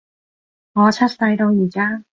我出世到而家